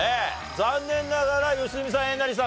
残念ながら良純さんえなりさん